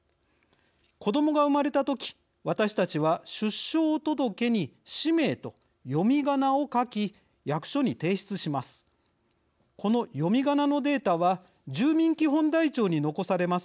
子どもが生まれた時私たちは出生届に氏名と読みがなを書き役所に提出します。